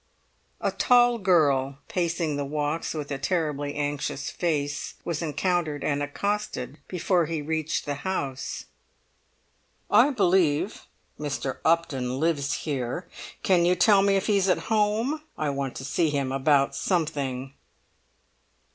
A tall girl, pacing the walks with a terribly anxious face, was encountered and accosted before he reached the house. "I believe Mr. Upton lives here. Can you tell me if he's at home? I want to see him about something."